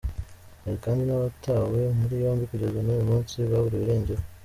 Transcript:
Hari kandi n’abatawe muri yombi kugeza n’uyu munsi baburiwe irengero.